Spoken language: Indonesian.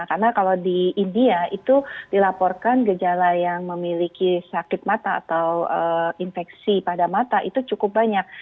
karena kalau di india itu dilaporkan gejala yang memiliki sakit mata atau infeksi pada mata itu cukup banyak